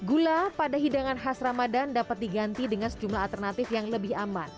gula pada hidangan khas ramadan dapat diganti dengan sejumlah alternatif yang lebih aman